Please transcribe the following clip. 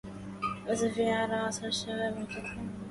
أسفي على عصر الشباب تصرمت